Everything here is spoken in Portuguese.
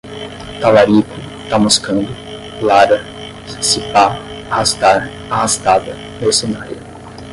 talarico, ta moscando, lara, se pá, arrastar, arrastada, mercenária